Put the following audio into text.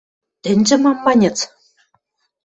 – Тӹньжӹ мам маньыц?